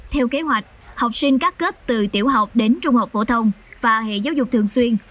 theo kế hoạch học sinh các cấp từ tiểu học đến trung học phổ thông và hệ giáo dục thường xuyên